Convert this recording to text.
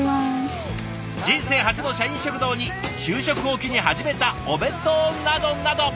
人生初の社員食堂に就職を機に始めたお弁当などなど。